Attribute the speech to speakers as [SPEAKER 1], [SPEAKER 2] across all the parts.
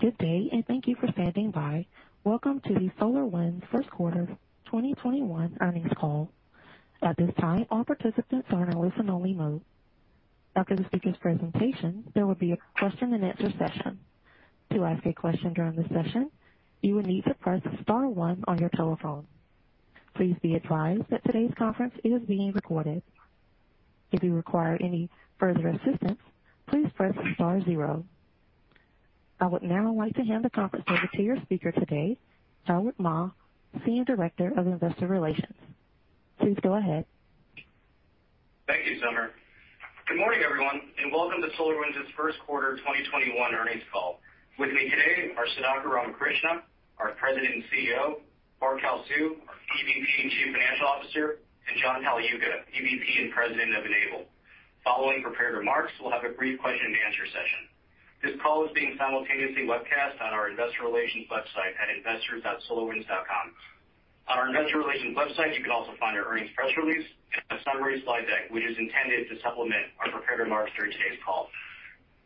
[SPEAKER 1] Good day, thank you for standing by. Welcome to the SolarWinds first quarter 2021 earnings call. At this time, all participants are in a listen-only mode. After the speaker's presentation, there will be a question-and-answer session. To ask a question during the session, you will need to press star one on your telephone. Please be advised that today's conference is being recorded. If you require any further assistance, please press star zero. I would now like to hand the conference over to your speaker today, Howard Ma, Senior Director of Investor Relations. Please go ahead.
[SPEAKER 2] Thank you, Summer. Good morning, everyone, and welcome to SolarWinds' first quarter 2021 earnings call. With me today are Sudhakar Ramakrishna, our President and CEO, Bart Kalsu, our EVP and Chief Financial Officer, and John Pagliuca, EVP and President of N-able. Following prepared remarks, we'll have a brief question-and-answer session. This call is being simultaneously webcast on our investor relations website at investors.solarwinds.com. On our investor relations website, you can also find our earnings press release and a summary slide deck, which is intended to supplement our prepared remarks during today's call.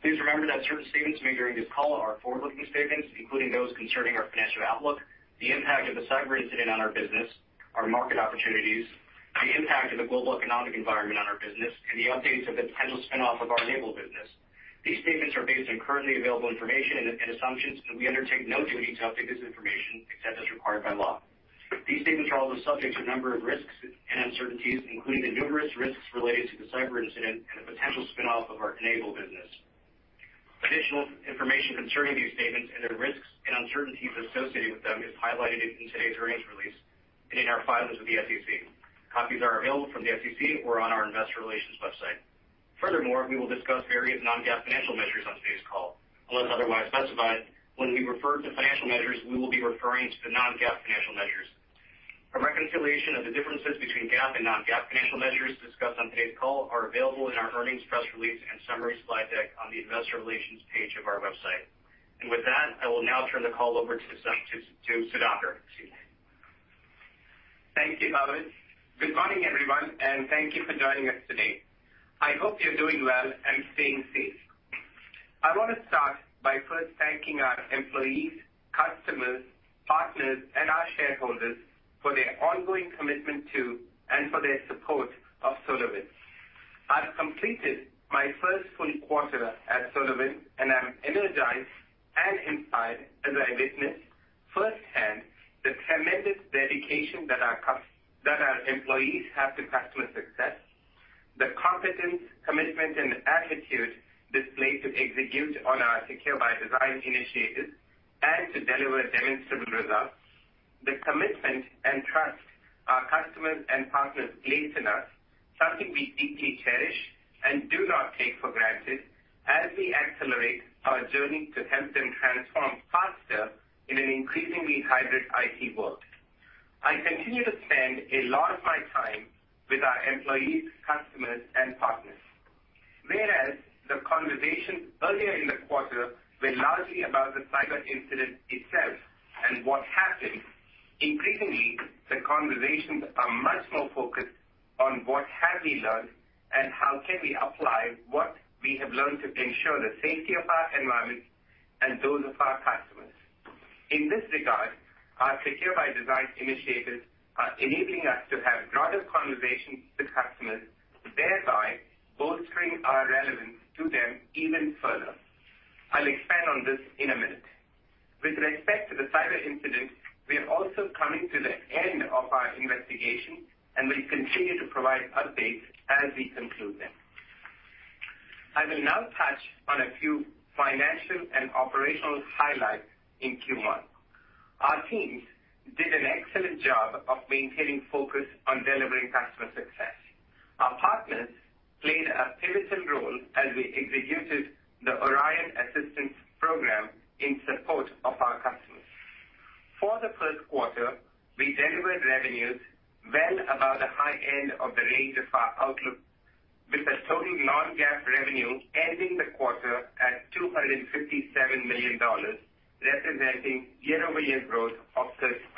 [SPEAKER 2] Please remember that certain statements made during this call are forward-looking statements, including those concerning our financial outlook, the impact of the cyber incident on our business, our market opportunities, the impact of the global economic environment on our business, and the updates of the potential spin-off of our N-able business. These statements are based on currently available information and assumptions, and we undertake no duty to update this information except as required by law. These statements are also subject to a number of risks and uncertainties, including the numerous risks related to the cyber incident and the potential spin-off of our N-able business. Additional information concerning these statements and the risks and uncertainties associated with them is highlighted in today's earnings release and in our filings with the SEC. Copies are available from the SEC or on our investor relations website. Furthermore, we will discuss various non-GAAP financial measures on today's call. Unless otherwise specified, when we refer to financial measures, we will be referring to non-GAAP financial measures. A reconciliation of the differences between GAAP and non-GAAP financial measures discussed on today's call are available in our earnings press release and summary slide deck on the investor relations page of our website. With that, I will now turn the call over to Sudhakar. Excuse me.
[SPEAKER 3] Thank you, Howard. Good morning, everyone, thank you for joining us today. I hope you're doing well and staying safe. I want to start by first thanking our employees, customers, partners, and our shareholders for their ongoing commitment to and for their support of SolarWinds. I've completed my first full quarter at SolarWinds, I'm energized and inspired as I witness firsthand the tremendous dedication that our employees have to customer success, the competence, commitment, and attitude displayed to execute on our Secure by Design initiatives and to deliver demonstrable results. The commitment and trust our customers and partners place in us, something we deeply cherish and do not take for granted as we accelerate our journey to help them transform faster in an increasingly hybrid IT world. I continue to spend a lot of my time with our employees, customers, and partners. Whereas the conversations earlier in the quarter were largely about the cyber incident itself and what happened, increasingly, the conversations are much more focused on what have we learned and how can we apply what we have learned to ensure the safety of our environment and those of our customers. In this regard, our Secure by Design initiatives are enabling us to have broader conversations with customers, thereby bolstering our relevance to them even further. I'll expand on this in a minute. With respect to the cyber incident, we are also coming to the end of our investigation, and we continue to provide updates as we conclude them. I will now touch on a few financial and operational highlights in Q1. Our teams did an excellent job of maintaining focus on delivering customer success. Our partners played a pivotal role as we executed the Orion Assistance Program in support of our customers. For the first quarter, we delivered revenues well above the high end of the range of our outlook, with the total non-GAAP revenue ending the quarter at $257 million, representing year-over-year growth of 33%.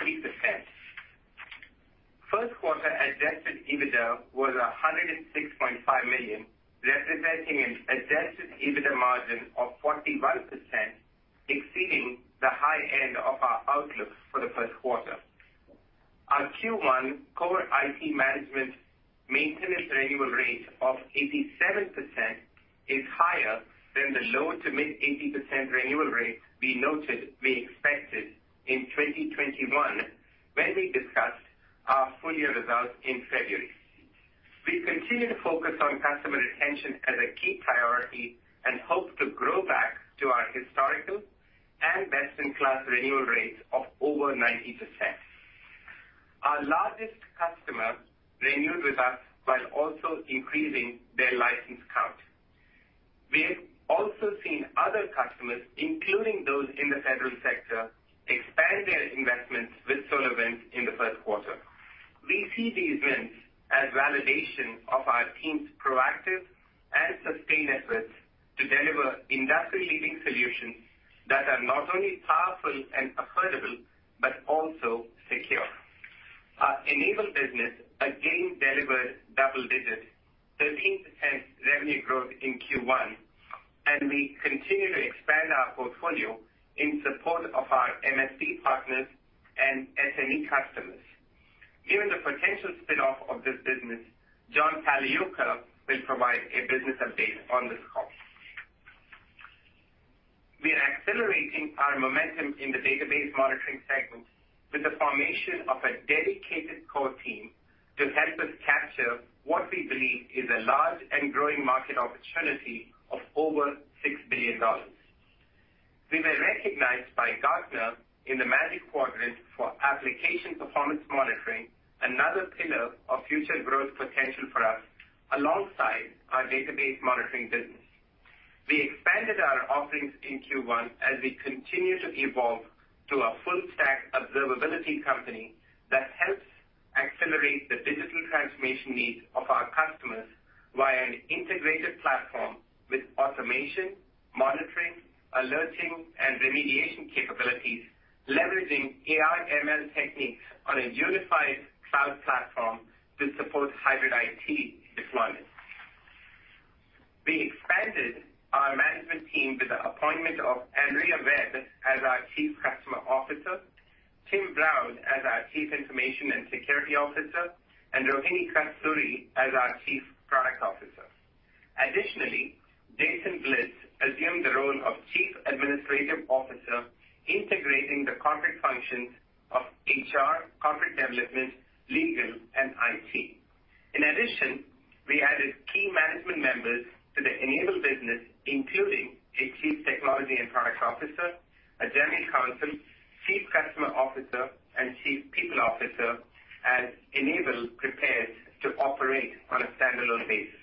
[SPEAKER 3] First quarter adjusted EBITDA was $106.5 million, representing an adjusted EBITDA margin of 41%, exceeding the high end of our outlook for the first quarter. Our Q1 core IT management maintenance renewal rate of 87% is higher than the low to mid 80% renewal rate we expected in 2021 when we discussed our full-year results in February. We continue to focus on customer retention as a key priority and hope to grow back to our historical and best-in-class renewal rates of over 90%. Our largest customer renewed with us while also increasing their license count. We have also seen other customers, including those in the federal sector, expand their investments with SolarWinds in the first quarter. We see these wins as validation of our team's proactive and sustained efforts to deliver industry-leading solutions that are not only powerful and affordable, but also secure. N-able business again delivered double digits, 13% revenue growth in Q1, and we continue to expand our portfolio in support of our MSP partners and SME customers. Given the potential spinoff of this business, John Pagliuca will provide a business update on this call. We are accelerating our momentum in the database monitoring segment with the formation of a dedicated core team to help us capture what we believe is a large and growing market opportunity of over $6 billion. We were recognized by Gartner in the Magic Quadrant for application performance monitoring, another pillar of future growth potential for us alongside our database monitoring business. We expanded our offerings in Q1 as we continue to evolve to a full stack observability company that helps accelerate the digital transformation needs of our customers via an integrated platform with automation, monitoring, alerting, and remediation capabilities, leveraging AI ML techniques on a unified cloud platform to support hybrid IT deployments. We expanded our management team with the appointment of Andrea Webb as our Chief Customer Officer, Tim Brown as our Chief Information and Security Officer, and Rohini Kasturi as our Chief Product Officer. Additionally, Jason Bliss assumed the role of Chief Administrative Officer, integrating the corporate functions of HR, corporate development, legal, and IT. In addition, we added key management members to the N-able business, including a Chief Technology and Products Officer, a General Counsel, Chief Customer Officer, and Chief People Officer, as N-able prepares to operate on a standalone basis.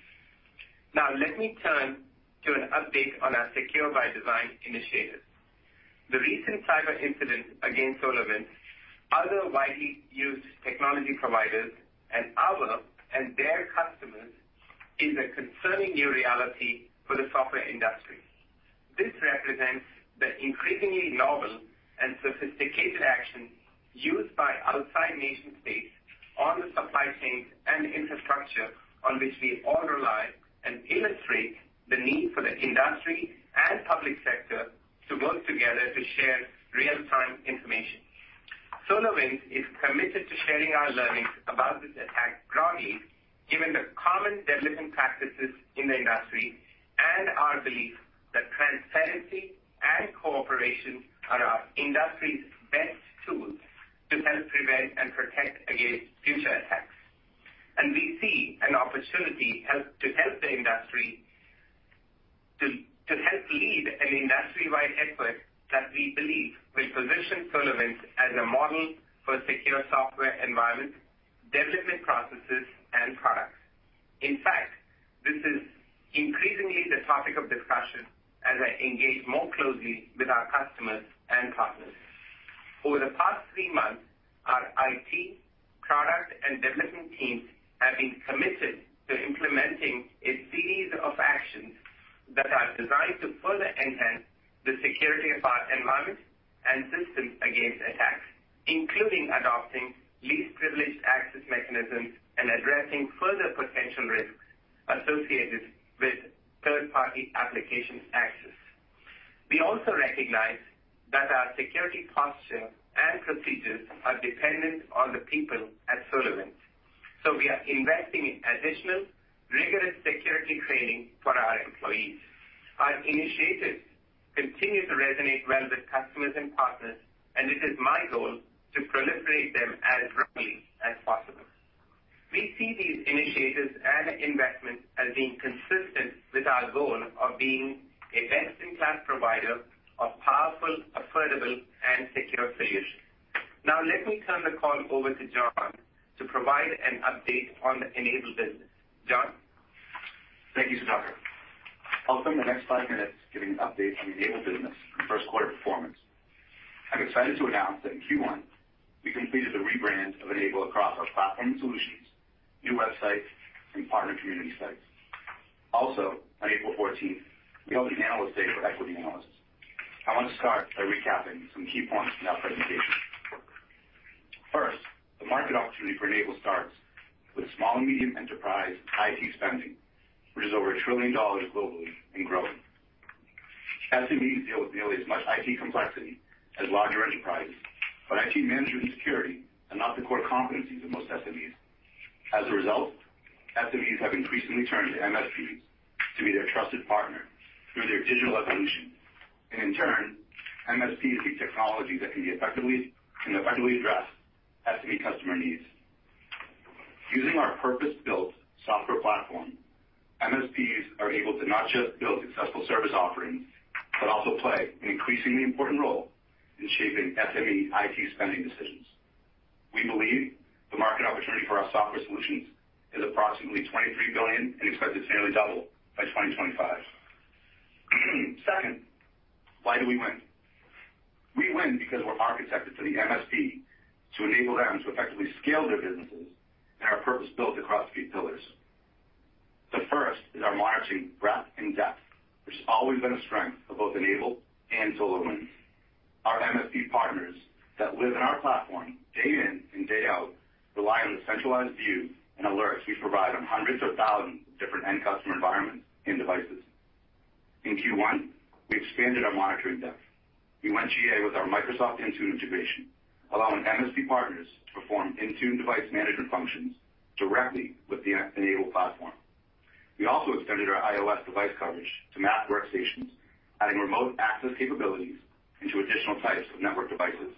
[SPEAKER 3] Now, let me turn to an update on our Secure by Design initiative. The recent cyber incident against SolarWinds, other widely used technology providers, and our and their customers, is a concerning new reality for the software industry. This represents the increasingly novel and sophisticated actions used by outside nation states on the supply chains and infrastructure on which we all rely and illustrate the need for the industry and public sector to work together to share real-time information. SolarWinds is committed to sharing our learnings about this attack broadly, given the common development practices in the industry and our belief that transparency and cooperation are our industry's best tools to help prevent and protect against future attacks. We see an opportunity to help lead an industry-wide effort that we believe will position SolarWinds as a model for secure software environments, development processes, and products. In fact, this is increasingly the topic of discussion as I engage more closely with our customers and partners. Over the past three months, our IT, product, and development teams have been committed to implementing a series of actions that are designed to further enhance the security of our environment and systems against attacks, including adopting least privileged access mechanisms and addressing further potential risks associated with third-party application access. We also recognize that our security posture and procedures are dependent on the people at SolarWinds. We are investing in additional rigorous security training for our employees. Our initiatives continue to resonate well with customers and partners, and it is my goal to proliferate them as broadly as possible. We see these initiatives and investments as being consistent with our goal of being a best-in-class provider of powerful, affordable, and secure solutions. Now, let me turn the call over to John to provide an update on the N-able business. John?
[SPEAKER 4] Thank you, Sudhakar. I'll spend the next five minutes giving an update on the N-able business and first quarter performance. I'm excited to announce that in Q1, we completed the rebrand of N-able across our platform solutions, new websites, and partner community sites. On April 14th, we held an analyst day for equity analysts. I want to start by recapping some key points from that presentation. The market opportunity for N-able starts with small and medium enterprise IT spending, which is over $1 trillion globally and growing. SMEs deal with nearly as much IT complexity as larger enterprises, IT management and security are not the core competencies of most SMEs. As a result, SMEs have increasingly turned to MSPs to be their trusted partner through their digital evolution. In turn, MSPs need technology that can effectively address SME customer needs. Using our purpose-built software platform, MSPs are able to not just build successful service offerings, but also play an increasingly important role in shaping SME IT spending decisions. We believe the market opportunity for our software solutions is approximately $23 billion and expect it to nearly double by 2025. Why do we win? We win because we're architected to the MSP to enable them to effectively scale their businesses and are purpose-built across three pillars. The first is our monitoring breadth and depth, which has always been a strength of both N-able and SolarWinds. Our MSP partners that live in our platform day in and day out rely on the centralized views and alerts we provide on hundreds of thousands of different end-customer environments and devices. In Q1, we expanded our monitoring depth. We went GA with our Microsoft Intune integration, allowing MSP partners to perform Intune device management functions directly with the N-able platform. We also extended our iOS device coverage to Mac workstations, adding remote access capabilities into additional types of network devices.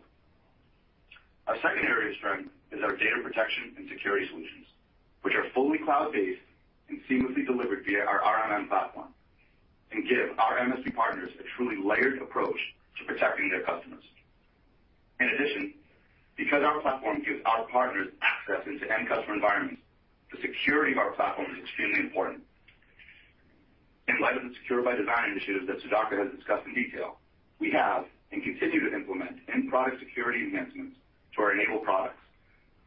[SPEAKER 4] Our second area of strength is our data protection and security solutions, which are fully cloud-based and seamlessly delivered via our RMM platform, and give our MSP partners a truly layered approach to protecting their customers. In addition, because our platform gives our partners access into end-customer environments, the security of our platform is extremely important. In light of the Secure by Design initiatives that Sudhakar has discussed in detail, we have and continue to implement end product security enhancements to our N-able products,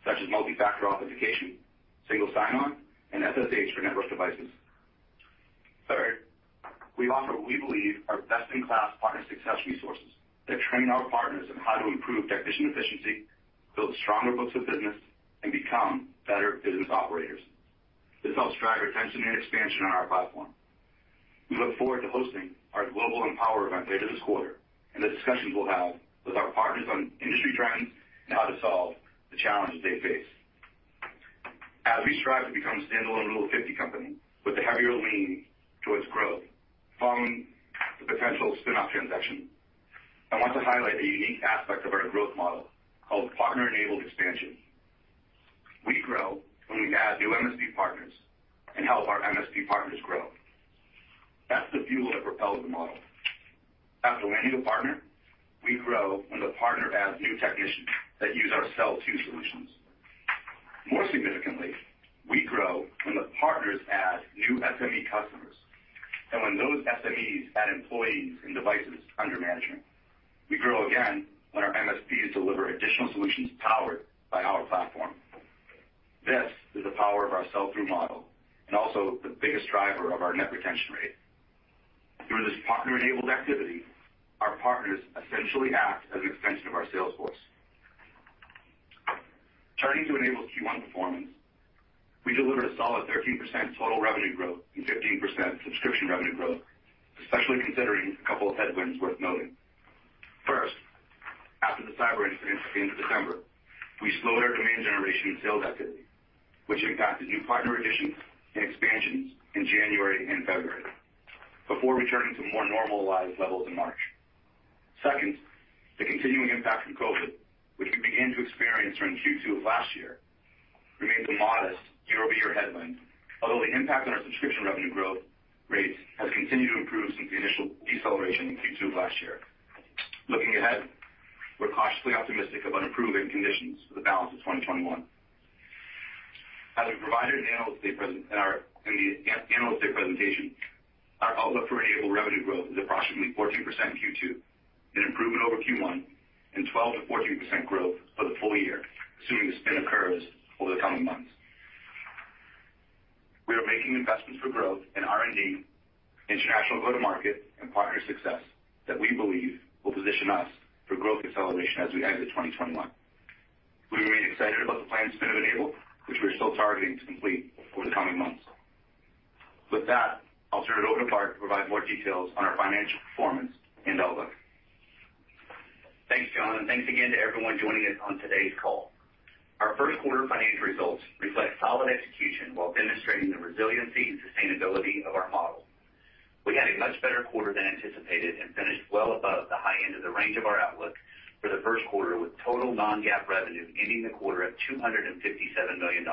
[SPEAKER 4] such as multi-factor authentication, single sign-on, and SSH for network devices. Third, we offer what we believe are best-in-class partner success resources that train our partners on how to improve technician efficiency, build stronger books of business, and become better business operators. This helps drive retention and expansion on our platform. We look forward to hosting our global Empower event later this quarter, and the discussions we'll have with our partners on industry trends and how to solve the challenges they face. As we strive to become a standalone Rule 50 company with a heavier lean towards growth following the potential spin-off transaction, I want to highlight the unique aspect of our growth model called partner-enabled expansion. We grow when we add new MSP partners and help our MSP partners grow. That's the fuel that propels the model. After landing a partner, we grow when the partner adds new technicians that use our sell-to solutions. More significantly, we grow when the partners add new SME customers, and when those SMEs add employees and devices under management. We grow again when our MSPs deliver additional solutions powered by our platform. This is the power of our sell-through model, and also the biggest driver of our net retention rate. Through this partner-enabled activity, our partners essentially act as an extension of our sales force. Turning to N-able's Q1 performance, we delivered a solid 13% total revenue growth and 15% subscription revenue growth, especially considering a couple of headwinds worth noting. After the cyber incident at the end of December, we slowed our demand generation and sales activity, which impacted new partner additions and expansions in January and February before returning to more normalized levels in March. Second, the continuing impact from COVID, which we began to experience during Q2 of last year, remains a modest year-over-year headwind, although the impact on our subscription revenue growth rates has continued to improve since the initial deceleration in Q2 of last year. Looking ahead, we're cautiously optimistic about improving conditions for the balance of 2021. As we provided in the analyst day presentation, our outlook for N-able revenue growth is approximately 14% in Q2, an improvement over Q1, and 12%-14% growth for the full year, assuming the spin occurs over the coming months. We are making investments for growth in R&D, international go-to-market, and partner success that we believe will position us for growth acceleration as we exit 2021. We remain excited about the planned spin of N-able, which we're still targeting to complete over the coming months. With that, I'll turn it over to Bart to provide more details on our financial performance and outlook.
[SPEAKER 5] Thanks, John, thanks again to everyone joining us on today's call. Our first quarter financial results reflect solid execution while demonstrating the resiliency and sustainability of our model. We had a much better quarter than anticipated and finished well above the high end of the range of our outlook for the first quarter, with total non-GAAP revenue ending the quarter at $257 million,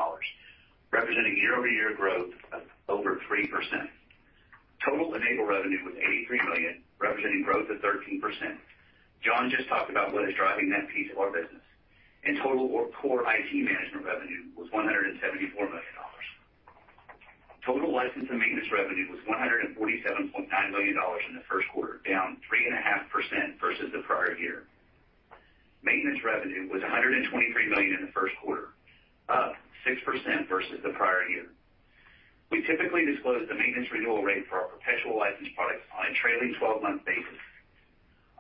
[SPEAKER 5] representing year-over-year growth of over 3%. Total N-able revenue was $83 million, representing growth of 13%. John just talked about what is driving that piece of our business. Total core IT management revenue was $174 million. Total license and maintenance revenue was $147.9 million in the first quarter, down 3.5% versus the prior year. Maintenance revenue was $123 million in the first quarter, up 6% versus the prior year. We typically disclose the maintenance renewal rate for our perpetual license products on a trailing 12-month basis.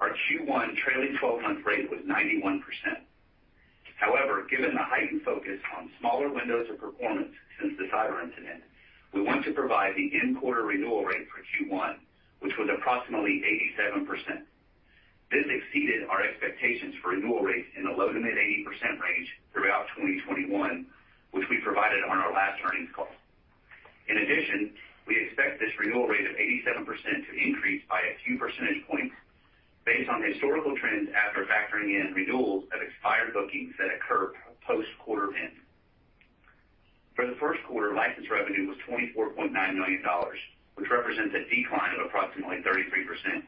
[SPEAKER 5] Our Q1 trailing 12-month rate was 91%. However, given the heightened focus on SolarWinds of performance since the cyber incident, we want to provide the in-quarter renewal rate for Q1, which was approximately 87%. This exceeded our expectations for renewal rates in the low to mid 80% range throughout 2021, which we provided on our last earnings call. In addition, we expect this renewal rate of 87% to increase by a few percentage points based on historical trends after factoring in renewals of expired bookings that occur post quarter end. For the first quarter, license revenue was $24.9 million, which represents a decline of approximately 33%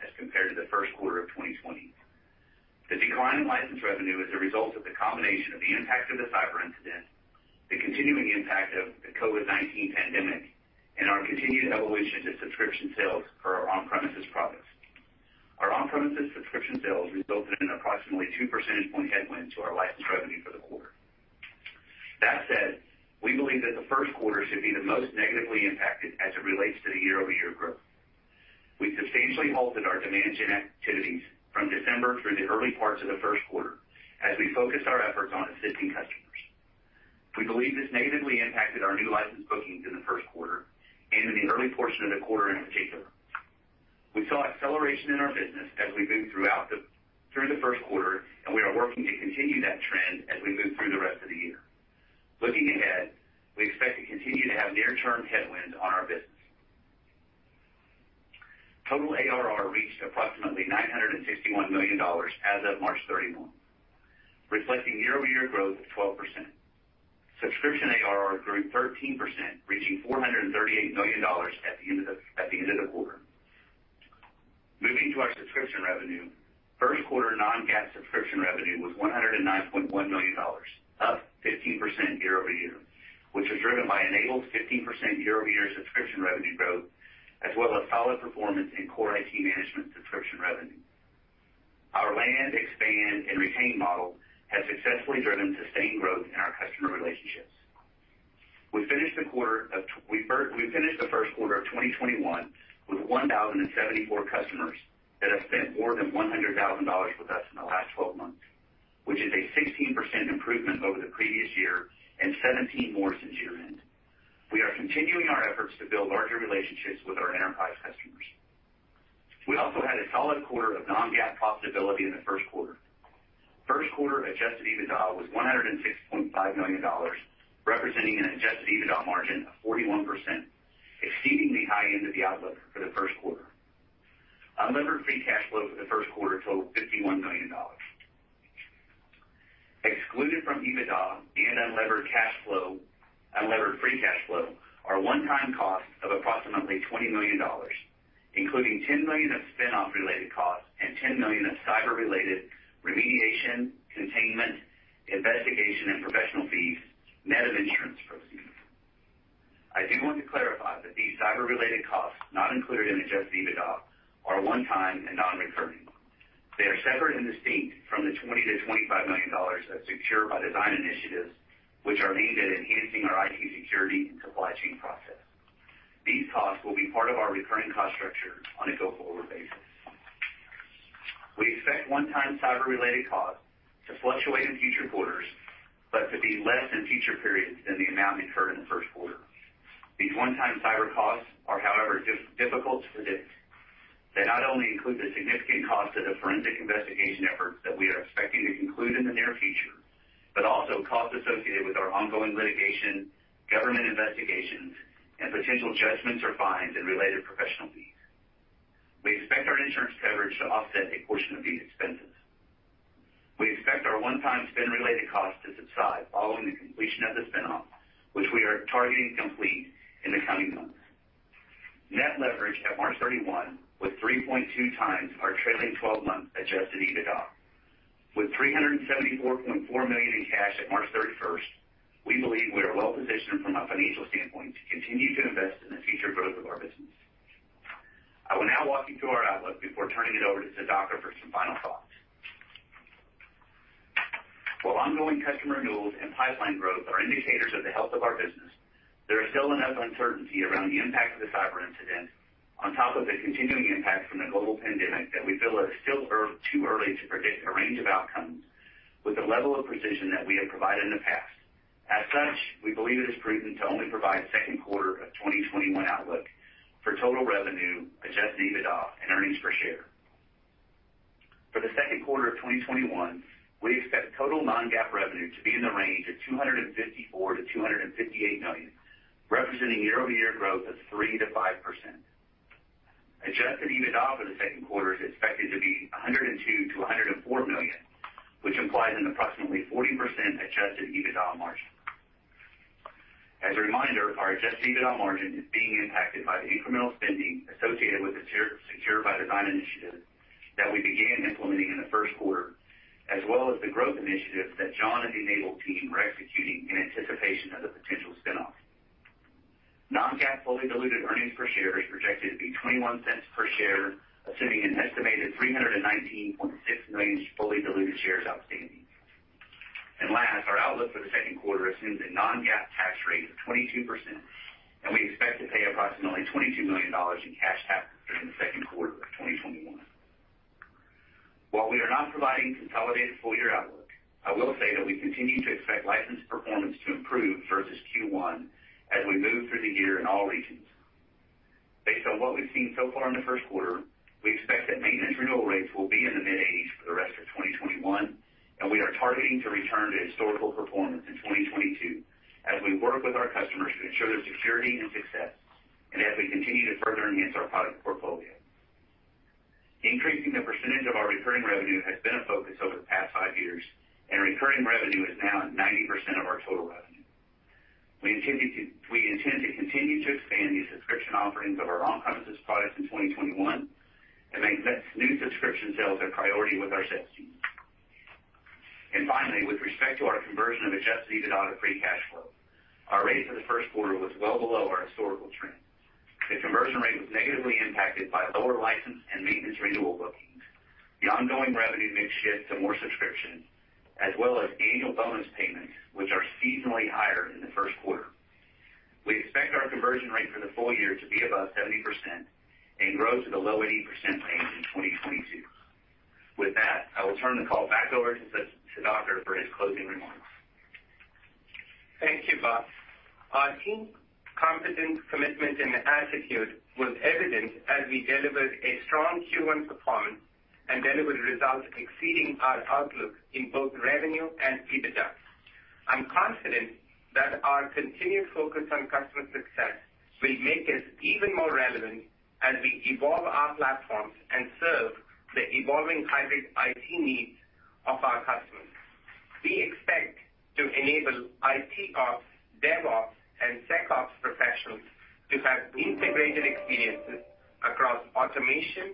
[SPEAKER 5] as compared to the first quarter of 2020. The decline in license revenue is a result of the combination of the impact of the cyber incident, the continuing impact of the COVID-19 pandemic, and our continued evolution to subscription sales for our on-premises products. On-premises subscription sales resulted in approximately two percentage point headwind to our license revenue for the quarter. That said, we believe that the first quarter should be the most negatively impacted as it relates to the year-over-year growth. We substantially halted our demand gen activities from December through the early parts of the first quarter as we focused our efforts on assisting customers. We believe this negatively impacted our new license bookings in the first quarter and in the early portion of the quarter in particular. We saw acceleration in our business as we moved through the first quarter, and we are working to continue that trend as we move through the rest of the year. Looking ahead, we expect to continue to have near-term headwinds on our business. Total ARR reached approximately $961 million as of March 31, reflecting year-over-year growth of 12%. Subscription ARR grew 13%, reaching $438 million at the end of the quarter. Moving to our subscription revenue, first quarter non-GAAP subscription revenue was $109.1 million, up 15% year-over-year, which was driven by N-able 15% year-over-year subscription revenue growth, as well as solid performance in core IT management subscription revenue. Our land, expand, and retain model has successfully driven sustained growth in our customer relationships. We finished the first quarter of 2021 with 1,074 customers that have spent more than $100,000 with us in the last 12 months, which is a 16% improvement over the previous year and 17 more since year-end. We are continuing our efforts to build larger relationships with our enterprise customers. We also had a solid quarter of non-GAAP profitability in the first quarter. First quarter adjusted EBITDA was $106.5 million, representing an adjusted EBITDA margin of 41%, exceeding the high end of the outlook for the first quarter. Unlevered free cash flow for the first quarter totaled $51 million. Excluded from EBITDA and unlevered free cash flow are one-time costs of approximately $20 million, including $10 million of spin-off related costs and $10 million of cyber-related remediation, containment, investigation, and professional fees, net of insurance proceeds. I do want to clarify that these cyber-related costs, not included in adjusted EBITDA, are one-time and non-recurring. They are separate and distinct from the $20 million-$25 million of Secure by Design initiatives, which are aimed at enhancing our IT security and supply chain process. These costs will be part of our recurring cost structure on a go-forward basis. We expect one-time cyber-related costs to fluctuate in future quarters, but to be less in future periods than the amount incurred in the first quarter. These one-time cyber costs are, however, difficult to predict. They not only include the significant cost of the forensic investigation efforts that we are expecting to conclude in the near future, but also costs associated with our ongoing litigation, government investigations, and potential judgments or fines and related professional fees. We expect our insurance coverage to offset a portion of these expenses. We expect our one-time spin-related costs to subside following the completion of the spin-off, which we are targeting complete in the coming months. Net leverage at March 31 was 3.2x our trailing 12-month adjusted EBITDA. With $374.4 million in cash at March 31, we believe we are well-positioned from a financial standpoint to continue to invest in the future growth of our business. I will now walk you through our outlook before turning it over to Sudhakar for some final thoughts. While ongoing customer renewals and pipeline growth are indicators of the health of our business, there is still enough uncertainty around the impact of the cyber incident on top of the continuing impact from the global pandemic that we feel it is still too early to predict a range of outcomes with the level of precision that we have provided in the past. As such, we believe it is prudent to only provide second quarter of 2021 outlook for total revenue, adjusted EBITDA, and earnings per share. For the second quarter of 2021, we expect total non-GAAP revenue to be in the range of $254 million-$258 million, representing year-over-year growth of 3%-5%. Adjusted EBITDA for the second quarter is expected to be $102 million-$104 million, which implies an approximately 40% adjusted EBITDA margin. As a reminder, our adjusted EBITDA margin is being impacted by the incremental spending associated with the Secure by Design initiative that we began implementing in the first quarter, as well as the growth initiatives that John and the N-able team were executing in anticipation of the potential spin-off. Non-GAAP fully diluted earnings per share is projected to be $0.21 per share, assuming an estimated 319.6 million fully diluted shares outstanding. Last, our outlook for the second quarter assumes a non-GAAP tax rate of 22%, and we expect to pay approximately $22 million in cash tax during the second quarter of 2021. While we are not providing consolidated full-year outlook, I will say that we continue to expect license performance to improve versus Q1 as we move through the year in all regions. Based on what we've seen so far in the first quarter, we expect that maintenance renewal rates will be in the mid-80s for the rest of 2021, and we are targeting to return to historical performance in 2022 as we work with our customers to ensure their security and success and as we continue to further enhance our product portfolio. Increasing the percentage of our recurring revenue has been a focus over the past five years, recurring revenue is now at 90% of our total revenue. We intend to continue to expand the subscription offerings of our on-premises products in 2021 and make new subscription sales a priority with our sales team. Finally, with respect to our conversion of adjusted EBITDA free-cash flow, our rate for the first quarter was well below our historical trend. The conversion rate was negatively impacted by lower license and maintenance renewal bookings, the ongoing revenue mix shift to more subscription, as well as annual bonus payments, which are seasonally higher in the first quarter. We expect our conversion rate for the full year to be above 70% and grow to the low 80% range in 2022. With that, I will turn the call back over to Sudhakar for his closing remarks.
[SPEAKER 3] Thank you, Bart. Our team competence, commitment, and attitude was evident as we delivered a strong Q1 performance and delivered results exceeding our outlook in both revenue and EBITDA. I'm confident that our continued focus on customer success will make us even more relevant as we evolve our platforms and serve the evolving hybrid IT needs of our customers. We expect to enable IT Ops, DevOps, and SecOps professionals to have integrated experiences across automation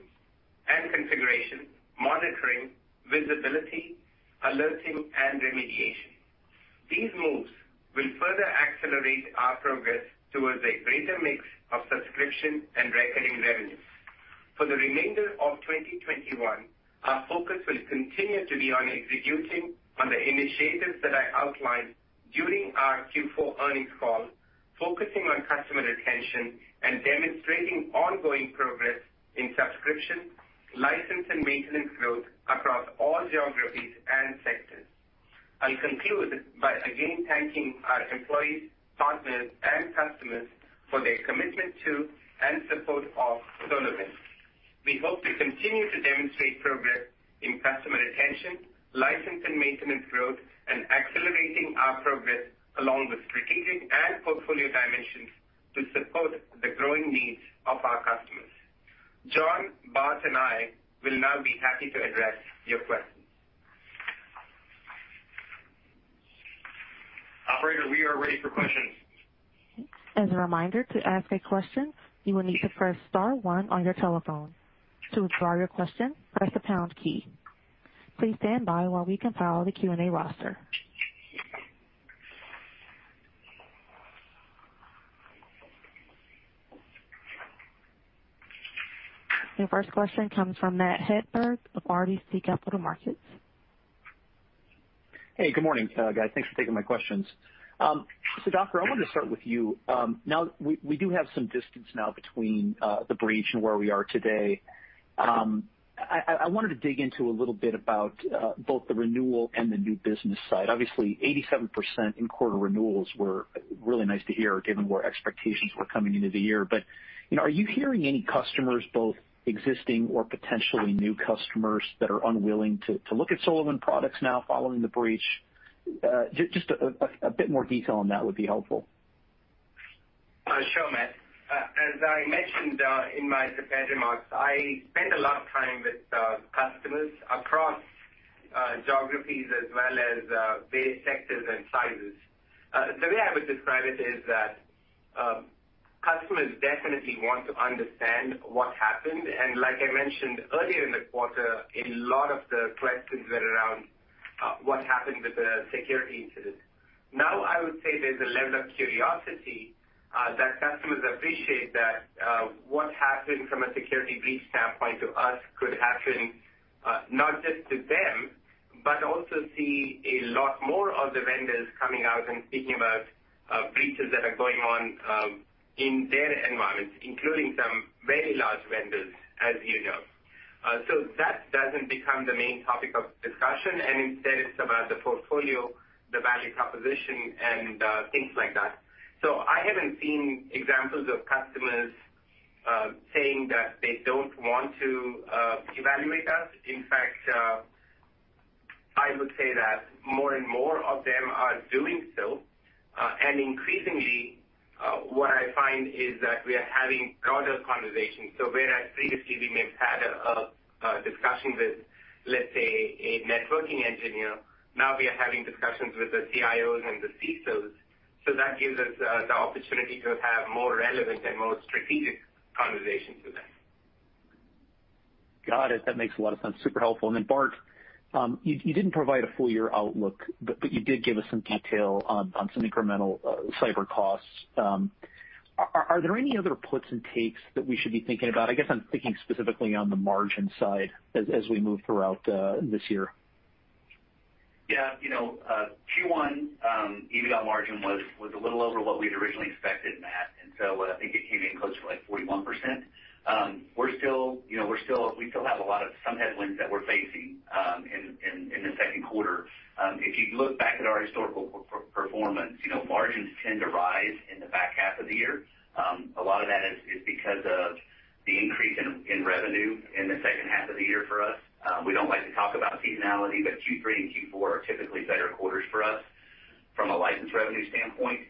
[SPEAKER 3] and configuration, monitoring, visibility, alerting, and remediation. These moves will further accelerate our progress towards a greater mix of subscription and recurring revenues. For the remainder of 2021, our focus will continue to be on executing on the initiatives that I outlined during our Q4 earnings call, focusing on customer retention, and demonstrating ongoing progress in subscription, license, and maintenance growth across all geographies and sectors. I'll conclude by again thanking our employees, partners, and customers for their commitment to and support of SolarWinds. We hope to continue to demonstrate progress in customer retention, license and maintenance growth, and accelerating our progress along the strategic and portfolio dimensions to support the growing needs of our customers. John, Bart, and I will now be happy to address your questions.
[SPEAKER 5] Operator, we are ready for questions.
[SPEAKER 1] As a reminder, to ask a question, you will need to press star one on your telephone. To withdraw your question, press the pound key. Please stand by while we compile the Q&A roster. Your first question comes from Matt Hedberg of RBC Capital Markets.
[SPEAKER 6] Hey, good morning, guys. Thanks for taking my questions. Sudhakar, I wanted to start with you. We do have some distance now between the breach and where we are today. I wanted to dig into a little bit about both the renewal and the new business side. Obviously, 87% in-quarter renewals were really nice to hear given where expectations were coming into the year. Are you hearing any customers, both existing or potentially new customers, that are unwilling to look at SolarWinds products now following the breach? Just a bit more detail on that would be helpful.
[SPEAKER 3] Sure, Matt. As I mentioned in my prepared remarks, I spend a lot of time with customers across geographies as well as various sectors and sizes. The way I would describe it is that customers definitely want to understand what happened. Like I mentioned earlier in the quarter, a lot of the questions were around what happened with the security incident. Now, I would say there's a level of curiosity that customers appreciate that what happened from a security breach standpoint to us could happen not just to them, but also see a lot more of the vendors coming out and speaking about breaches that are going on in their environments, including some very large vendors, as you know. That doesn't become the main topic of discussion, and instead it's about the portfolio, the value proposition, and things like that. I haven't seen examples of customers saying that they don't want to evaluate us. In fact, I would say that more and more of them are doing so. Increasingly, what I find is that we are having broader conversations. Whereas previously we may have had a discussion with, let's say, a networking engineer, now we are having discussions with the CIOs and the CISOs. That gives us the opportunity to have more relevant and more strategic conversations with them.
[SPEAKER 6] Got it. That makes a lot of sense. Super helpful. Bart, you didn't provide a full year outlook, but you did give us some detail on some incremental cyber costs. Are there any other puts and takes that we should be thinking about? I guess I'm thinking specifically on the margin side as we move throughout this year.
[SPEAKER 5] Yeah. Q1 EBITDA margin was a little over what we'd originally expected, Matt, I think it came in close to 41%. We still have a lot of some headwinds that we're facing in the second quarter. If you look back at our historical performance, margins tend to rise in the back half of the year. A lot of that is because of the increase in revenue in the second half of the year for us. We don't like to talk about seasonality, Q3 and Q4 are typically better quarters for us from a license revenue standpoint. If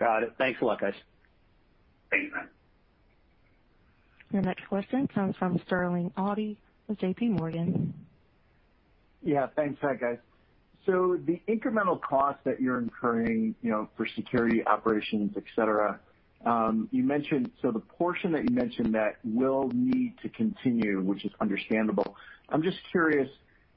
[SPEAKER 5] that's the case this year, we would expect our margins to improve in the back half of the year as well.
[SPEAKER 6] Got it. Thanks a lot, guys.
[SPEAKER 5] Thanks, Matt.
[SPEAKER 1] Your next question comes from Sterling Auty with JPMorgan.
[SPEAKER 7] Yeah. Thanks, guys. The incremental cost that you're incurring for security operations, et cetera, the portion that you mentioned that will need to continue, which is understandable, I'm just curious,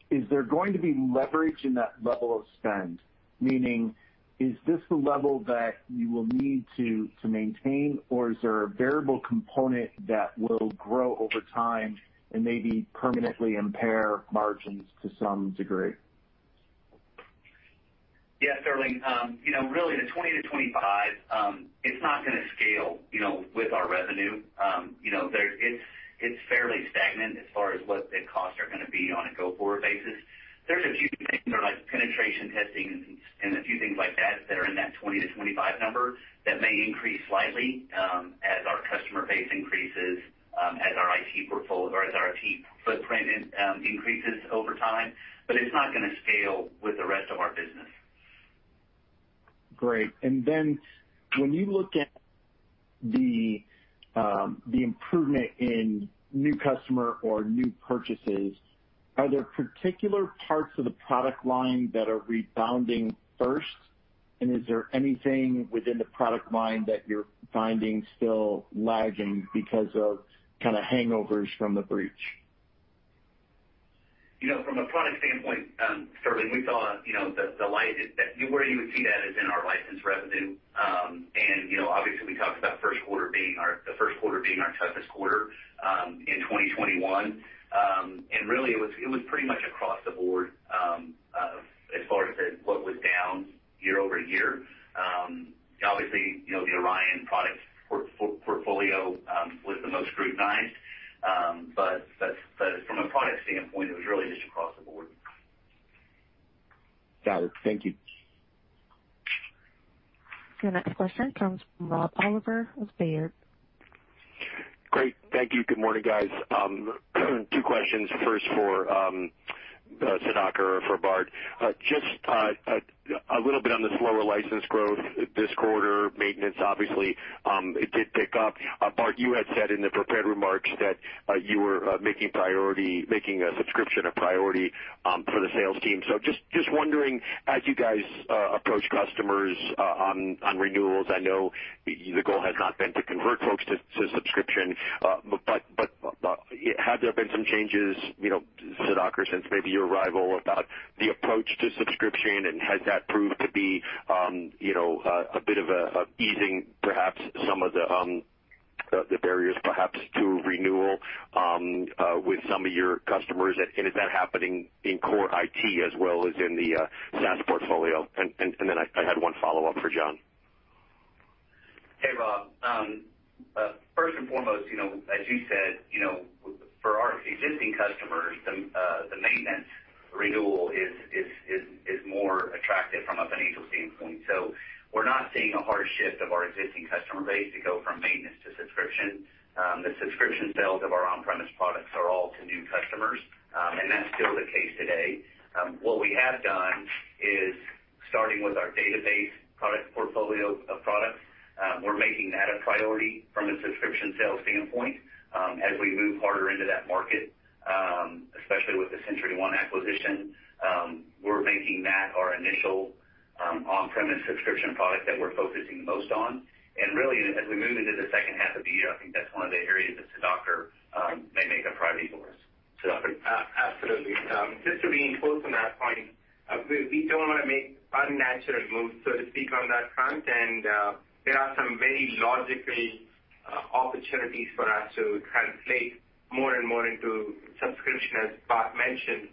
[SPEAKER 7] is there going to be leverage in that level of spend? Meaning, is this the level that you will need to maintain, or is there a variable component that will grow over time and maybe permanently impair margins to some degree?
[SPEAKER 5] Yes, Sterling. Really, the $20-$25, it's not going to scale with our revenue. It's fairly stagnant as far as what the costs are going to be on a go-forward basis. There's a few things like penetration testing and a few things like that that are in that $20-$25 number that may increase slightly as our customer base increases, as our IT portfolio, as our IT footprint increases over time. It's not going to scale with the rest of our business.
[SPEAKER 7] Great. When you look at the improvement in new customer or new purchases, are there particular parts of the product line that are rebounding first? Is there anything within the product line that you're finding still lagging because of hangovers from the breach?
[SPEAKER 5] From a product standpoint, Sterling, where you would see that is in our license revenue. Obviously, we talked about the first quarter being our toughest quarter in 2021. Really, it was pretty much across the board, as far as what was down year-over-year. Obviously, the Orion product portfolio was the most scrutinized. From a product standpoint, it was really just across the board.
[SPEAKER 7] Got it. Thank you.
[SPEAKER 1] Your next question comes from Rob Oliver of Baird.
[SPEAKER 8] Great. Thank you. Good morning, guys. Two questions. First for Sudhakar or for Bart. Just a little bit on the slower license growth this quarter. Maintenance, obviously, it did pick up. Bart, you had said in the prepared remarks that you were making a subscription a priority for the sales team. Just wondering, as you guys approach customers on renewals, I know the goal has not been to convert folks to subscription, but have there been some changes, Sudhakar, since maybe your arrival, about the approach to subscription, and has that proved to be a bit of easing perhaps some of the barriers perhaps to renewal with some of your customers, and is that happening in core IT as well as in the SaaS portfolio? I had one follow-up for John.
[SPEAKER 5] Hey, Rob. First and foremost, as you said, for our existing customers, the maintenance renewal is more attractive from a financial standpoint. We're not seeing a hard shift of our existing customer base to go from maintenance to subscription. The subscription sales of our on-premise products are all to new customers, and that's still the case today. What we have done is starting with our database product portfolio of products, we're making that a priority from a subscription sales standpoint as we move harder into that market, especially with the SentryOne acquisition. We're making that our initial on-premise subscription product that we're focusing most on. Really, as we move into the second half of the year, I think that's one of the areas that Sudhakar may make a priority for us. Sudhakar?
[SPEAKER 3] Absolutely. Just to reinforce on that point, we don't want to make unnatural moves, so to speak, on that front, and there are some very logical opportunities for us to translate more and more into subscription, as Bart mentioned,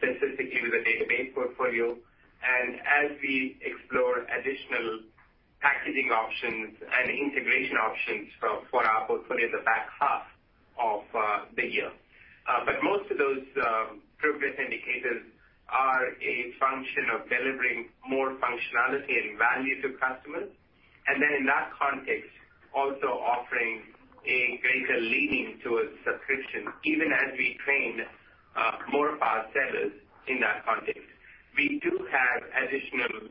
[SPEAKER 3] specifically with the database portfolio, and as we explore additional packaging options and integration options for our portfolio in the back half of the year. Most of those throughput indicators are a function of delivering more functionality and value to customers. In that context, also offering a greater leaning towards subscription, even as we train more of our sellers in that context. We do have additional,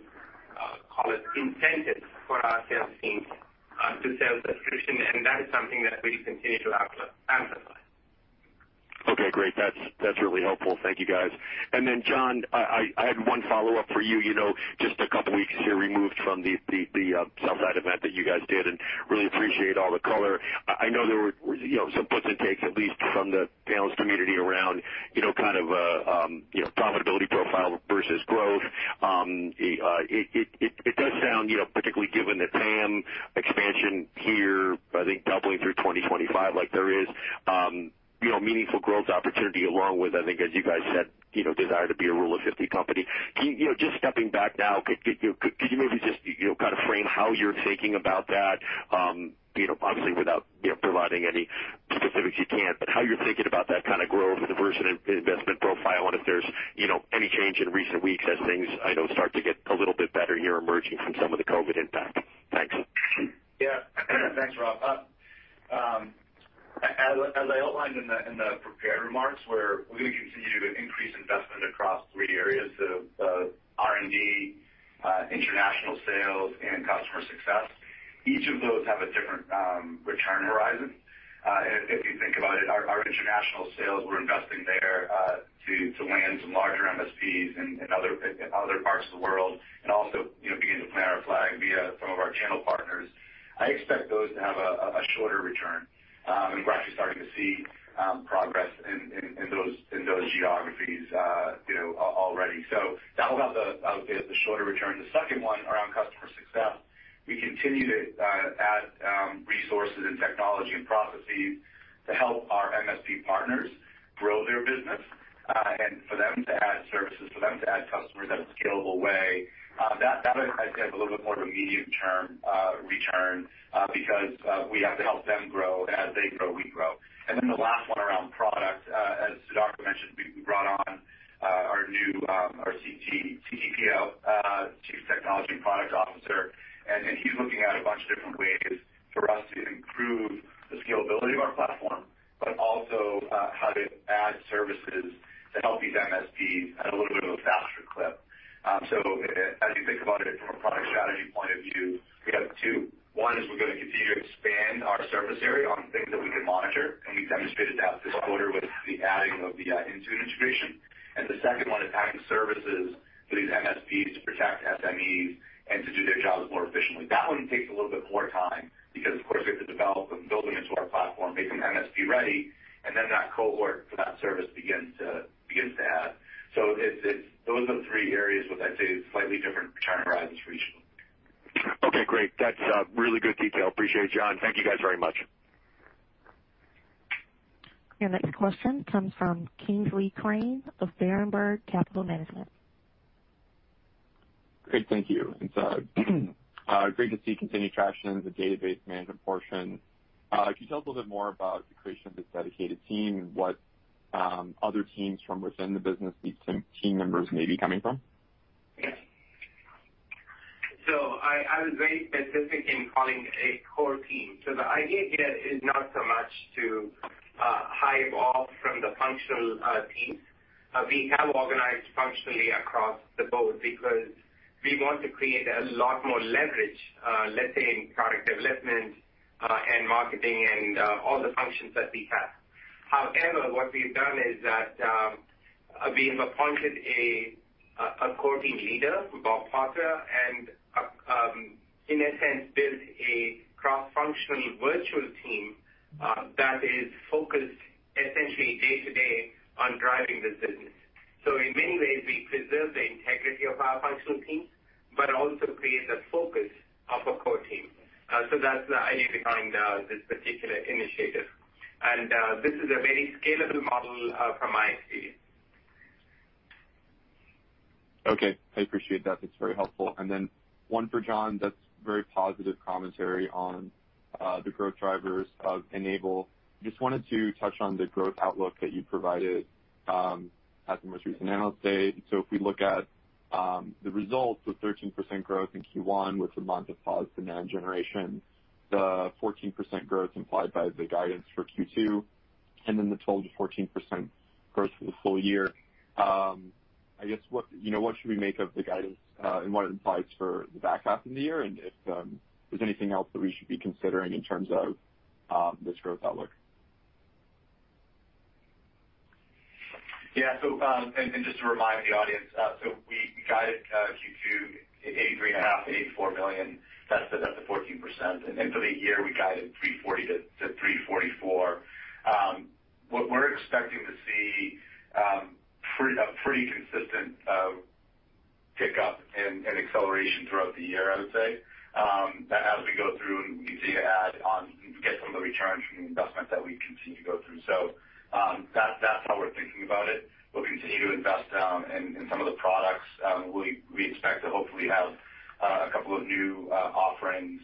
[SPEAKER 3] call it, incentives for our sales teams to sell subscription, and that is something that we continue to amplify.
[SPEAKER 8] Okay, great. That's really helpful. Thank you guys. Then John, I had one follow-up for you. Just a couple of weeks here removed from the Southside event that you guys did, and really appreciate all the color. I know there were some puts and takes, at least from the sales community around profitability profile versus growth. It does sound, particularly given the TAM expansion here, I think doubling through 2025, like there is meaningful growth opportunity along with, I think as you guys said, desire to be a Rule of 50 company. Just stepping back now, could you maybe just kind of frame how you're thinking about that? Obviously, without providing any specifics you can't. How you're thinking about that kind of growth, investment profile, and if there's any change in recent weeks as things start to get a little bit better here emerging from some of the COVID impact. Thanks.
[SPEAKER 4] Yeah. Thanks, Rob. As I outlined in the prepared remarks, we're going to continue to increase investment across three areas of R&D International sales and customer success. Each of those have a different return horizon. If you think about it, our international sales, we're investing there to land some larger MSPs in other parts of the world, and also begin to plant our flag via some of our channel partners. I expect those to have a shorter return. We're actually starting to see progress in those geographies already. That will have the shorter return. The second one around customer success. We continue to add resources and technology and processes to help our MSP partners grow their business, and for them to add services, for them to add customers in a scalable way. That I'd say, is a little bit more of a medium-term return, because we have to help them grow. As they grow, we grow. Then the last one around product. As Sudhakar mentioned, we brought on our new CTPO, Chief Technology Product Officer, and he's looking at a bunch of different ways for us to improve the scalability of our platform, but also how to add services that help these MSPs at a little bit of a faster clip. As you think about it from a product strategy point of view, we have two. One is we're going to continue to expand our surface area on things that we can monitor, and we demonstrated that this quarter with the adding of the Intune integration. The second one is adding services for these MSPs to protect SMEs and to do their jobs more efficiently. That one takes a little bit more time because, of course, we have to develop them, build them into our platform, make them MSP ready, and then that cohort for that service begins to add. Those are the three areas with, I'd say, slightly different return horizons for each.
[SPEAKER 8] Okay, great. That is really good detail. Appreciate it, John. Thank you guys very much.
[SPEAKER 1] Your next question comes from Kingsley Crane of Berenberg Capital Markets.
[SPEAKER 9] Great. Thank you. Great to see continued traction in the database management portion. Could you tell a little more about the creation of this dedicated team and what other teams from within the business these team members may be coming from?
[SPEAKER 3] I was very specific in calling a core team. The idea here is not so much to hive off from the functional teams. We have organized functionally across the board because we want to create a lot more leverage, let's say, in product development and marketing and all the functions that we have. However, what we've done is that, we've appointed a core team leader, Tim Potter, and in a sense, built a cross-functional virtual team that is focused essentially day-to-day on driving this business. In many ways, we preserve the integrity of our functional teams, but also create the focus of a core team. That's the idea behind this particular initiative. This is a very scalable model from my experience.
[SPEAKER 9] Okay. I appreciate that. That's very helpful. Then one for John, that's very positive commentary on the growth drivers of N-able. Just wanted to touch on the growth outlook that you provided at the most recent Analyst Day. If we look at the results, the 13% growth in Q1 with a month of pause to managed generation, the 14% growth implied by the guidance for Q2, and the 12%-14% growth for the full year. I guess what should we make of the guidance, and what it implies for the back half of the year, and if there's anything else that we should be considering in terms of this growth outlook?
[SPEAKER 4] Yeah. Just to remind the audience, so we guided Q2, $83.5 million-$84 million. That's the 14%. Then for the year, we guided $340 million-$344 million. What we're expecting to see, a pretty consistent pick up and acceleration throughout the year, I would say. As we go through and we continue to add on, get some of the return from the investments that we continue to go through. That's how we're thinking about it. We'll continue to invest in some of the products. We expect to hopefully have a couple of new offerings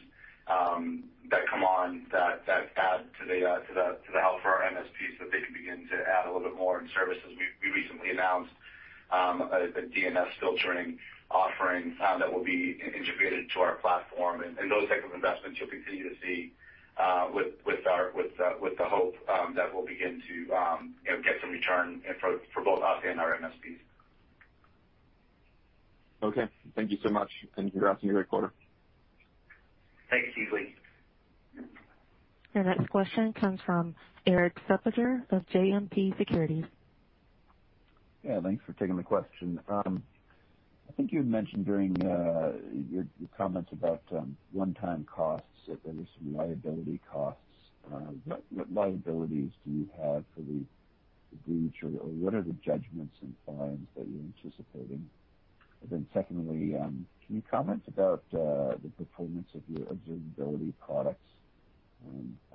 [SPEAKER 4] that come on that add to the help for our MSPs, that they can begin to add a little bit more in services. We recently announced a DNS filtering offering that will be integrated into our platform. Those type of investments you'll continue to see with the hope that we'll begin to get some return for both us and our MSPs.
[SPEAKER 9] Okay. Thank you so much. Congrats on your great quarter.
[SPEAKER 4] Thanks, Kingsley.
[SPEAKER 1] Your next question comes from Erik Suppiger of JMP Securities.
[SPEAKER 10] Yeah, thanks for taking the question. I think you had mentioned during your comments about one-time costs that there were some liability costs. What liabilities do you have for the breach, or what are the judgments and fines that you're anticipating? Secondly, can you comment about the performance of your observability products?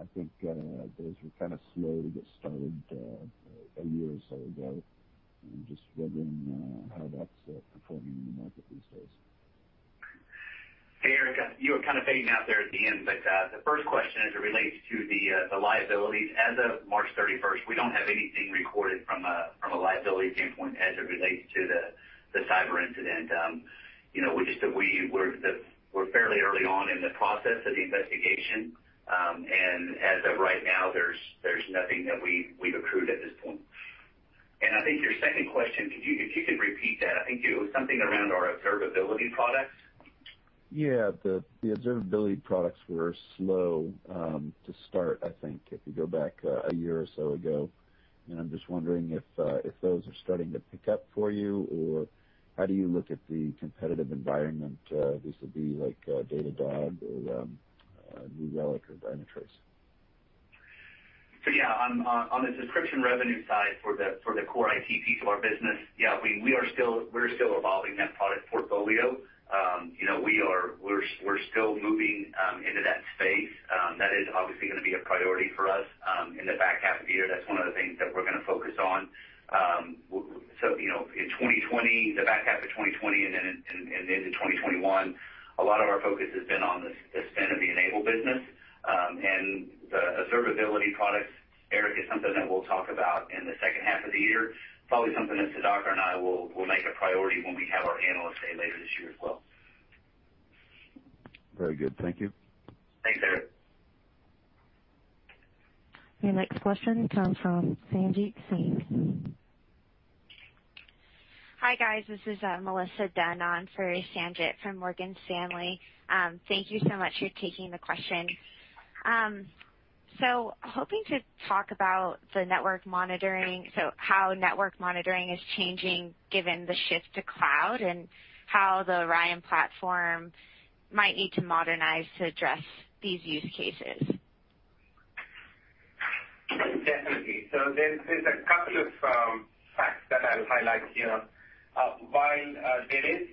[SPEAKER 10] I think those were kind of slow to get started a year or so ago. I'm just wondering how that's performing in the market these days.
[SPEAKER 5] Erik. You were kind of fading out there at the end. The first question as it relates to the liabilities. As of March 31st, we don't have anything recorded from a liability standpoint as it relates to the cyber incident. We're fairly early on in the process of the investigation. As of right now, there's nothing that we've accrued at this point. I think your second question, if you could repeat that, I think it was something around our observability products.
[SPEAKER 10] Yeah. The observability products were slow to start, I think, if you go back a year or so ago. I'm just wondering if those are starting to pick up for you, or how do you look at the competitive environment? This would be like Datadog or New Relic or Dynatrace.
[SPEAKER 5] Yeah, on the subscription revenue side for the core IT piece of our business, yeah, we're still evolving that product portfolio. We're still moving into that space. That is obviously going to be a priority for us in the back half of the year. That's one of the things that we're going to focus on. In 2020, the back half of 2020 and into 2021, a lot of our focus has been on the spin of the N-able business. The observability product, Erik, is something that we'll talk about in the second half of the year. Probably something that Sudhakar and I will make a priority when we have our Analyst Day later this year as well.
[SPEAKER 10] Very good. Thank you.
[SPEAKER 5] Thanks, Erik.
[SPEAKER 1] Your next question comes from Sanjit Singh.
[SPEAKER 11] Hi, guys. This is Melissa Dunn on for Sanjit from Morgan Stanley. Thank you so much for taking the question. Hoping to talk about the network monitoring. How network monitoring is changing given the shift to cloud, and how the Orion Platform might need to modernize to address these use cases.
[SPEAKER 3] Definitely. There's a couple of facts that I'll highlight here. While there is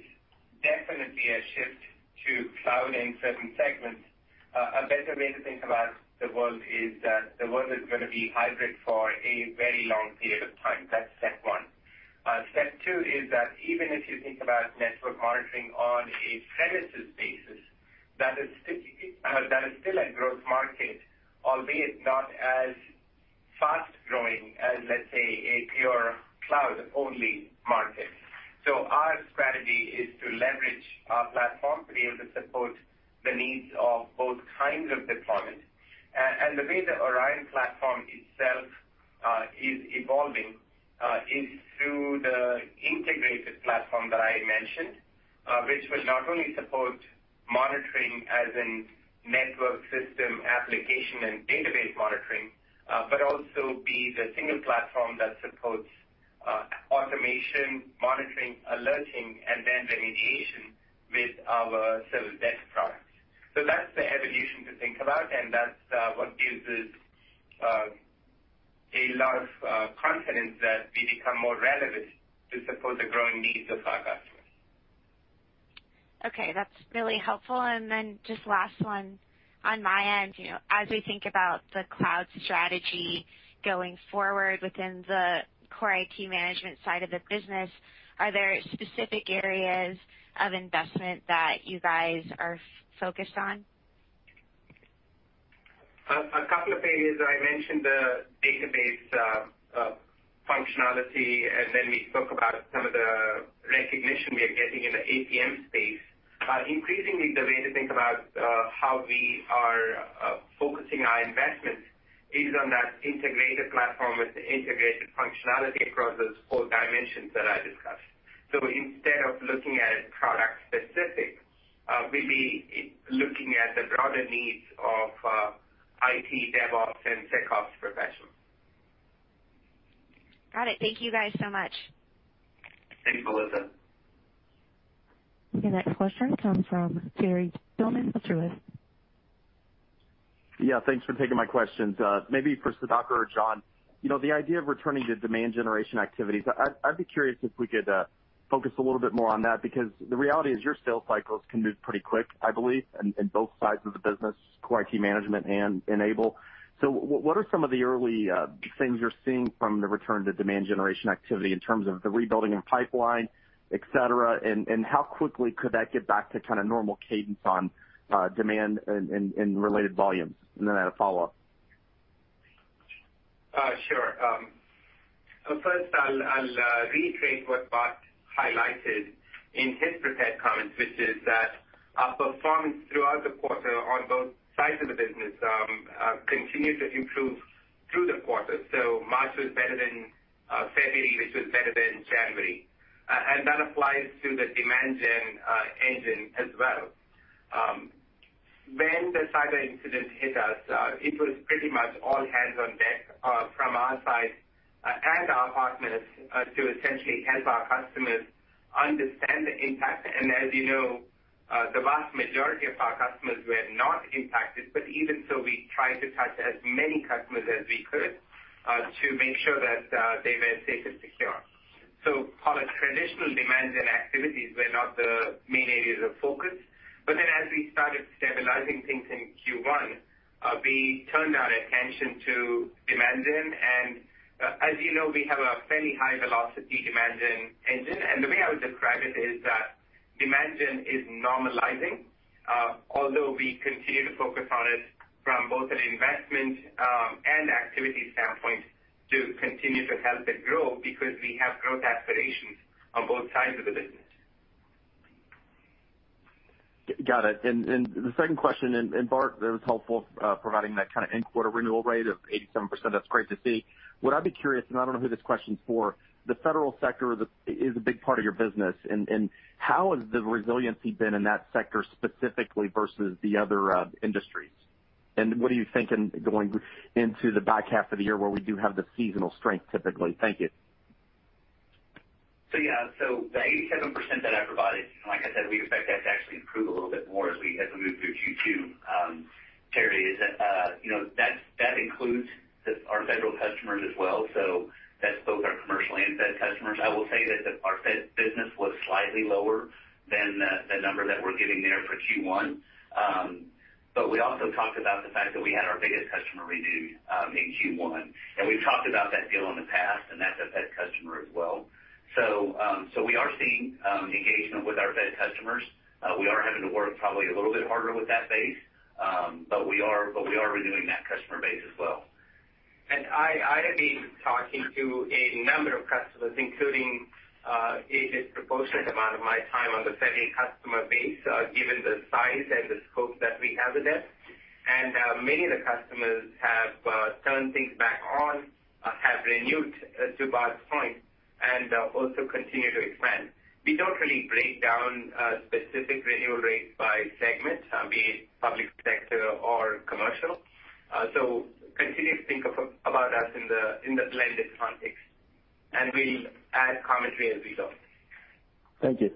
[SPEAKER 3] definitely a shift to cloud in certain segments, a better way to think about the world is that the world is going to be hybrid for a very long period of time. That's step one. Step two is that even if you think about network monitoring on a premises basis, that is still a growth market, albeit not as fast-growing as, let's say, a pure cloud-only market. Our strategy is to leverage our platform to be able to support the needs of both kinds of deployment. The way the Orion Platform itself is evolving is through the integrated platform that I mentioned, which will not only support monitoring as in network system application and database monitoring, but also be the single platform that supports automation, monitoring, alerting, and then remediation with our service desk products. That's the evolution to think about, and that's what gives us a lot of confidence that we become more relevant to support the growing needs of our customers.
[SPEAKER 11] Okay, that's really helpful. Just last one on my end. As we think about the cloud strategy going forward within the core IT management side of the business, are there specific areas of investment that you guys are focused on?
[SPEAKER 3] A couple of areas. I mentioned the database functionality, and then we spoke about some of the recognition we are getting in the APM space. Increasingly, the way to think about how we are focusing our investments is on that integrated platform with the integrated functionality across those four dimensions that I discussed. Instead of looking at it product specific, we'll be looking at the broader needs of IT, DevOps, and SecOps professionals.
[SPEAKER 11] Got it. Thank you guys so much.
[SPEAKER 3] Thanks, Melissa.
[SPEAKER 1] Your next question comes from Terry Tillman with Truist.
[SPEAKER 12] Thanks for taking my questions. Maybe for Sudhakar or John. The idea of returning to demand generation activities, I’d be curious if we could focus a little bit more on that, because the reality is your sales cycles can move pretty quick, I believe, in both sides of the business, core IT management and N-able. What are some of the early things you’re seeing from the return to demand generation activity in terms of the rebuilding of pipeline, et cetera, and how quickly could that get back to kind of normal cadence on demand and related volumes? Then I had a follow-up.
[SPEAKER 3] Sure. First I'll retrace what Bart highlighted in his prepared comments, which is that our performance throughout the quarter on both sides of the business continued to improve through the quarter. March was better than February, which was better than January. That applies to the demand gen engine as well. When the cyber incident hit us, it was pretty much all hands on deck from our side and our partners to essentially help our customers understand the impact. As you know, the vast majority of our customers were not impacted, even so, we tried to touch as many customers as we could to make sure that they were safe and secure. Call it traditional demand gen activities were not the main areas of focus. As we started stabilizing things in Q1, we turned our attention to demand gen. As you know, we have a fairly high velocity demand gen engine. The way I would describe it is that demand gen is normalizing, although we continue to focus on it from both an investment and activity standpoint to continue to help it grow because we have growth aspirations on both sides of the business.
[SPEAKER 12] Got it. The second question, Bart, it was helpful providing that kind of in-quarter renewal rate of 87%. That's great to see. What I'd be curious, I don't know who this question's for, the federal sector is a big part of your business. How has the resiliency been in that sector specifically versus the other industries? What are you thinking going into the back half of the year where we do have the seasonal strength typically? Thank you.
[SPEAKER 5] Yeah. The 87% that I provided, like I said, we expect that to actually improve a little bit more as we move through Q2. Terry, that includes our federal customers as well, so that's both our commercial and fed customers. I will say that our fed business was slightly lower than the number that we're giving there for Q1. We also talked about the fact that we had our biggest customer renew in Q1, and we've talked about that deal in the past, and that's a fed customer as well. We are seeing engagement with our fed customers. We are having to work probably a little bit harder with that base. We are renewing that customer base as well.
[SPEAKER 3] I have been talking to a number of customers, including a disproportionate amount of my time on the fed customer base, given the size and the scope that we have with them. Many of the customers have turned things back on, have renewed, to Bart's point, and also continue to expand. We don't really break down specific renewal rates by segment, be it public sector or commercial. Continue to think about us in the blended context, and we'll add commentary as we go.
[SPEAKER 12] Thank you.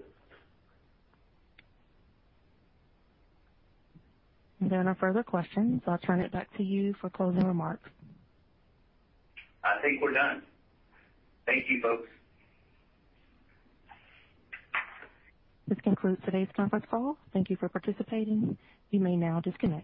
[SPEAKER 1] There are no further questions. I'll turn it back to you for closing remarks.
[SPEAKER 5] I think we're done. Thank you, folks.
[SPEAKER 1] This concludes today's conference call. Thank you for participating. You may now disconnect.